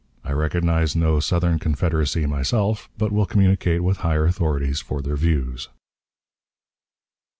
I recognize no 'Southern Confederacy' myself, but will communicate with higher authorities for their views."